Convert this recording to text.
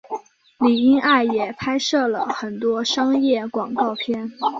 李英爱也拍摄了很多商业广告片。